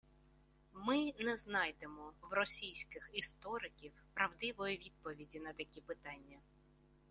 Ми не знайдемо в російських істориків правдивої відповіді на такі питання